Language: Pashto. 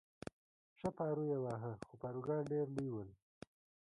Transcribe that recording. ښه پارو یې واهه، خو پاروګان ډېر لوی ول.